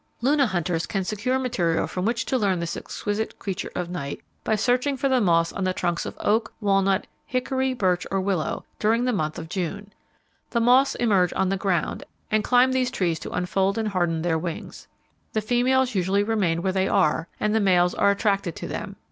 Luna hunters can secure material from which to learn this exquisite creature of night, by searching for the moths on the trunks of oak, walnut, hickory, birch or willow, during the month of June. The moths emerge on the ground, and climb these trees to unfold and harden their wings. The females usually remain where they are, and the males are attracted to them.